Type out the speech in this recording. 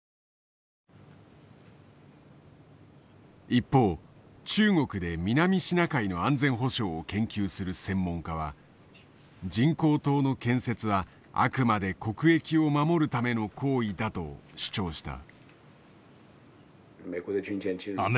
一方中国で南シナ海の安全保障を研究する専門家は人工島の建設はあくまで国益を守るための行為だと主張した。